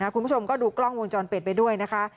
คุณผู้ชมก็ดูกล้องวงจรปิดไปด้วยนะคะ